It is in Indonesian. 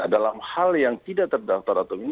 dalam hal yang tidak terdaftar atau ini